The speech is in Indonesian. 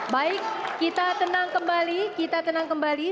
baik kita tenang kembali